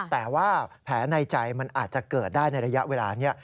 แต่ว่าแผลในใจมันอาจจะเกิดได้ในระยะเวลานี้